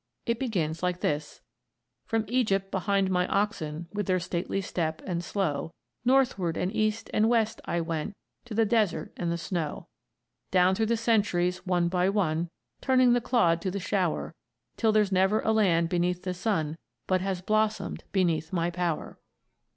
It begins like this: "From Egypt behind my oxen, With their stately step and slow, Northward and east and west I went, To the desert and the snow; Down through the centuries, one by one, Turning the clod to the shower, Till there's never a land beneath the sun But has blossomed behind my power."